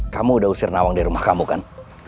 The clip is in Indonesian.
kamu udah usir nawang di rumah kamu kan